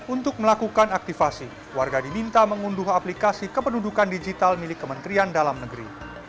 untuk melakukan aktifasi warga diminta mengunduh aplikasi kependudukan digital milik kementerian dalam negeri